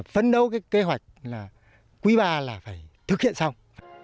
phân đấu kế hoạch là quý ba là phải thực hiện xong